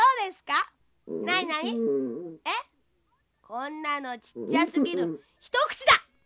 こんなのちっちゃすぎるひとくちだ！